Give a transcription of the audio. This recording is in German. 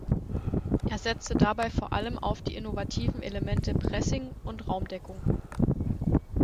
Er setzte dabei vor allem auf die innovativen Elemente Pressing und Raumdeckung.